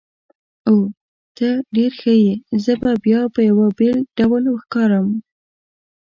اوه، ته ډېر ښه یې، زه به بیا په یوه بېل ډول ښکارم.